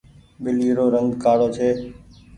ٻلي رو رنگ ڪآڙو ڇي۔